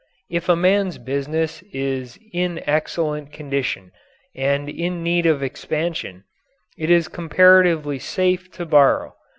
If a man's business is in excellent condition and in need of expansion, it is comparatively safe to borrow.